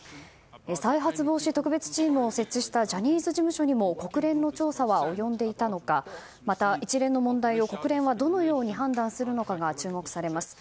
再発防止特別チームを設置したジャニーズ事務所にも国連の調査は及んでいたのかまた、一連の問題を国連はどのように判断するのかが注目されます。